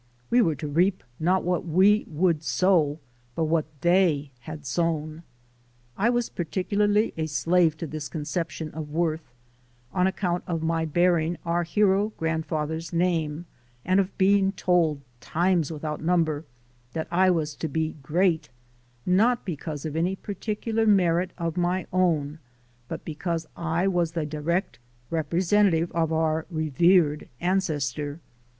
We were to reap not what we would sow, but what they had sown. I was particularly a slave to this conception of worth on account of my bearing our hero grandfather's name and of being told, times without number, that I was to be great, not because of any particular merit of my AMERICAN PHILOSOPHY OF LIFE 285 own, but because I was the direct representative of our revered ancestor.